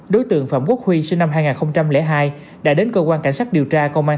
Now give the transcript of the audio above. đối tượng phạm quốc huy sinh năm hai nghìn hai đã đến cơ quan cảnh sát điều tra công an